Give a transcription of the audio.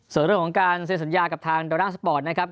ส่วนเรื่องของการเซ็นสัญญากับทางดอลลาร์สปอร์ตนะครับ